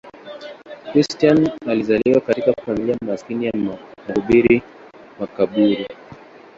Christian alizaliwa katika familia maskini ya mhubiri makaburu.